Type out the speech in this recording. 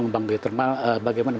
nya adalah tujuh dua gigawatt